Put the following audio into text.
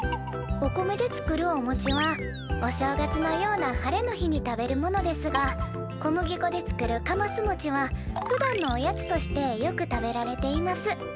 お米で作るおもちはお正月のような晴れの日に食べるものですが小麦粉で作るかますもちはふだんのおやつとしてよく食べられています。